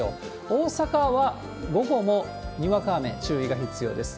大阪は午後もにわか雨、注意が必要です。